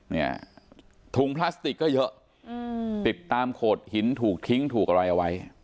เนี่ยถุงพลาสติกก็เยอะอืมติดตามโขดหินถูกทิ้งถูกอะไรเอาไว้